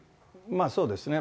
そうですね。